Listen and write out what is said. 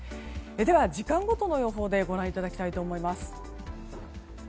では、時間ごとの予報でご覧いただきたいと思います。